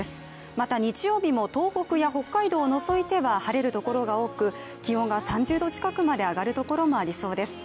また日曜日も東北や北海道を除いては晴れるところが多く気温が３０度近くまで上がるところもありそうです。